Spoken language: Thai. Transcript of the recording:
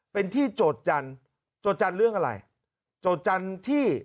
เป็นที่จดจางตัวจานเรื่องอะไร